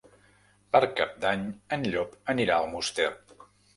Per Cap d'Any en Llop anirà a Almoster.